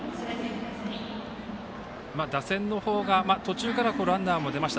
打線の方が途中からランナーも出ました